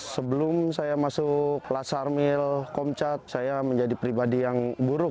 sebelum saya masuk kelas sarmil komcat saya menjadi pribadi yang buruk